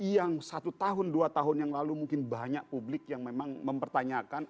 yang satu tahun dua tahun yang lalu mungkin banyak publik yang memang mempertanyakan